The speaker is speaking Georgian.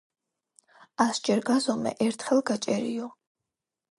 ასჯერ გაზომე, ერთხელ გაჭერიო